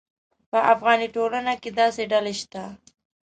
په افغاني ټولنه کې داسې ډلې شته.